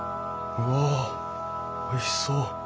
うわおいしそう。